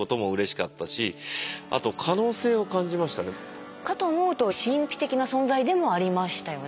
かと思うと神秘的な存在でもありましたよね。